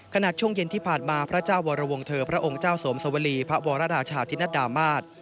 ช่วงเย็นที่ผ่านมาพระเจ้าวรวงเธอพระองค์เจ้าสวมสวรีพระวรราชาธินัดดามาศ